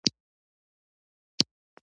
خوب د ذهن نوې فضا جوړه کړي